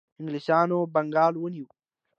انګلیسانو بنګال ونیو.